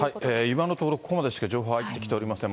今のところ、ここまでしか情報入ってきておりません。